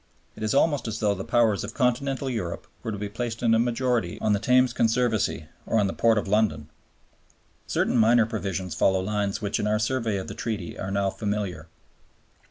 It is almost as though the Powers of Continental Europe were to be placed in a majority on the Thames Conservancy or the Port of London. Certain minor provisions follow lines which in our survey of the Treaty are now familiar.